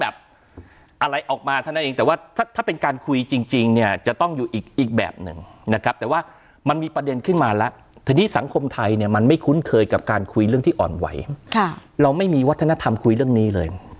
ประเด็นขึ้นมาละทีนี้สังคมไทยเนี้ยมันไม่คุ้นเคยกับการคุยเรื่องที่อ่อนไหวค่ะเราไม่มีวัฒนธรรมคุยเรื่องนี้เลย